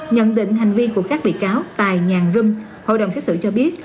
nhận định hành vi của các bị cáo tài nhàng râm hội đồng xét xử cho biết